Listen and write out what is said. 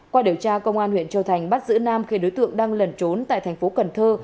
qua điều tra công an huyện châu thành bắt giữ nam khi đối tượng đang lẩn trốn tại thành phố cần thơ